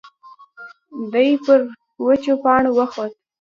دی پر وچو پاڼو وخوت.